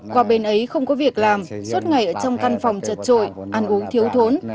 qua bên ấy không có việc làm suốt ngày ở trong căn phòng chật trội ăn uống thiếu thốn